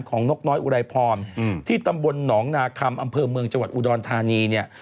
นกน้อยอุไรพรที่ตำบลหนองนาคัมอำเภอเมืองจังหวัดอุดรธานีเนี่ย